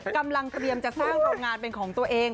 กำลังเตรียมจะสร้างโรงงานเป็นของตัวเอง